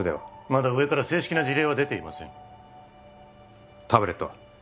まだ上から正式な辞令は出ていませんタブレットは？